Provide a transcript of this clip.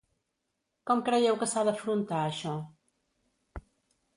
Com creieu que s’ha d’afrontar això?